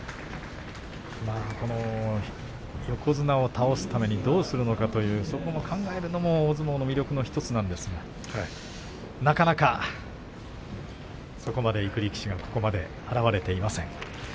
横綱を倒すためにどうするのかというそこを考えるのも大相撲の魅力の１つなんですがなかなか、そこまでいく力士がここまで現れていません。